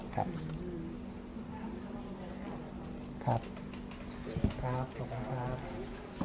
ขอบคุณครับขอบคุณครับ